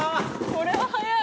これは速い。